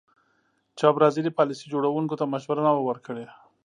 چا برازیلي پالیسي جوړوونکو ته مشوره نه وه ورکړې.